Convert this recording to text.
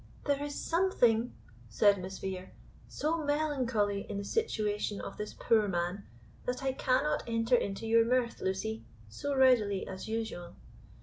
"There is something," said Miss Vere, "so melancholy in the situation of this poor man, that I cannot enter into your mirth, Lucy, so readily as usual.